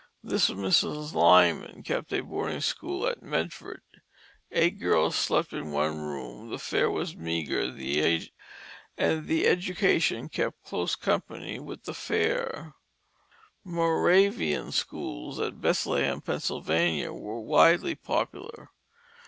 This Mrs. Lyman kept a boarding school at Medford; eight girls slept in one room, the fare was meagre, and the education kept close company with the fare. The Moravian schools at Bethlehem, Pennsylvania, were widely popular.